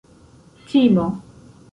timo